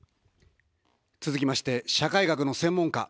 続きまして、社会学の専門家。